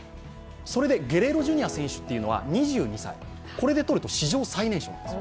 ゲレーロＪｒ．選手は２２歳、これで取ると史上最年少なんです。